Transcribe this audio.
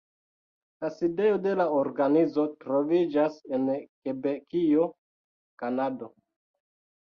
La sidejo de la organizo troviĝas en Kebekio, Kanado.